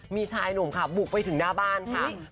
มีชายหนุ่มบุกไปถึงหน้าบื้อนักบอส